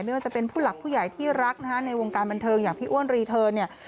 ไม่ว่าจะเป็นผู้หลักผู้ใหญ่ที่รักนะฮะในวงการบันเทิงอย่างพี่อ้วนรีเทิร์นเนี่ย